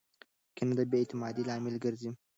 کینه د بې اعتمادۍ لامل ګرځي.